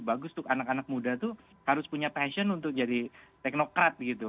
bagus untuk anak anak muda itu harus punya passion untuk jadi teknokrat gitu